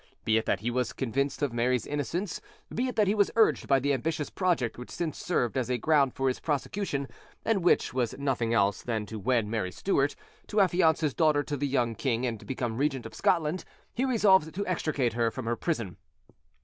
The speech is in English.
Be it that he was convinced of Mary's innocence, be it that he was urged by the ambitious project which since served as a ground for his prosecution, and which was nothing else than to wed Mary Stuart, to affiance his daughter to the young king, and to become regent of Scotland, he resolved to extricate her from her prison.